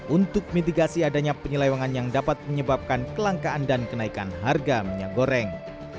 untuk mitigasi adanya penyelewangan yang dapat menyebabkan kelangkaan dan kenaikan harga minyak goreng